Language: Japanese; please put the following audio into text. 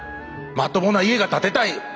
まともな家が建てたいよ！